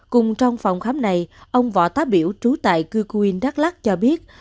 cùng trong phòng khám này ông võ tá biểu trú tại cư quyền đắk lắc cho biết